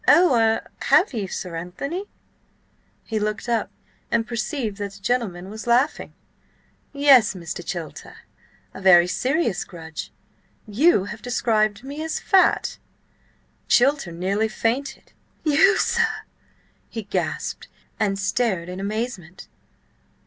Oh–er–have you, Sir Anthony?" He looked up and perceived that the gentleman was laughing. "Yes, Mr. Chilter, a very serious grudge: you have described me as fat!" Chilter nearly fainted. "You, sir," he gasped, and stared in amazement.